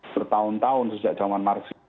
bertahun tahun sejak zaman marsik